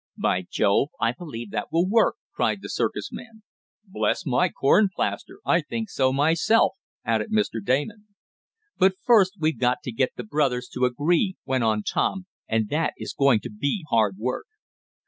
"By Jove! I believe that will work!" cried the circus man. "Bless my corn plaster, I think so myself!" added Mr. Damon. "But first we've got to get the brothers to agree," went on Tom, "and that is going to be hard work."